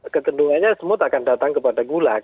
kecenderungannya semut akan datang kepada gula